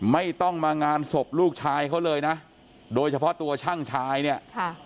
ไม่ต้องมางานศพลูกชายเขาเลยนะโดยเฉพาะตัวช่างชายเนี่ยค่ะ